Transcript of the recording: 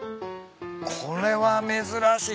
これは珍しい。